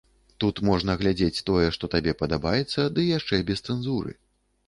Тут можна глядзець тое, што табе падабаецца, ды яшчэ без цэнзуры.